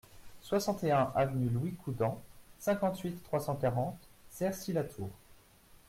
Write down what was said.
soixante et un avenue Louis Coudant, cinquante-huit, trois cent quarante, Cercy-la-Tour